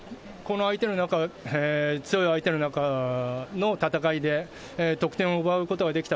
強い相手の中の戦いで、得点を奪うことができた。